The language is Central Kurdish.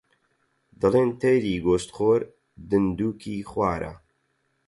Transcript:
دەڵێن تەیری گۆشتخۆر دندووکی خوارە